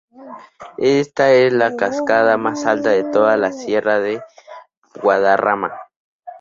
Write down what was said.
Esta es la cascada más alta de toda la sierra de Guadarrama.